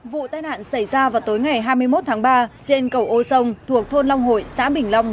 vụ tai nạn xảy ra vào tối ngày hai mươi một tháng ba trên cầu ô sông thuộc thôn long hội xã bình long